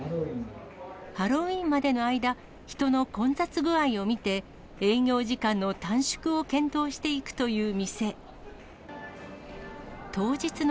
ハロウィーンまでの間、人の混雑具合を見て、営業時間の短縮を検討していくという店。